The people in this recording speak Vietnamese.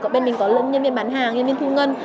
bên mình có nhân viên bán hàng nhân viên thu ngân